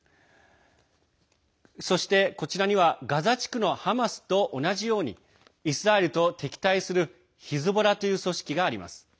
そして、こちらにはガザ地区のハマスと同じようにイスラエルと敵対するヒズボラという組織があります。